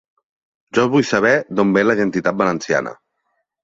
Jo vull saber d’on ve la identitat valenciana.